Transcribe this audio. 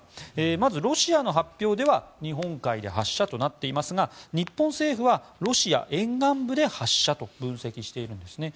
まずロシアの発表では日本海で発射となっていますが日本政府はロシア沿岸部で発射と分析しているんですね。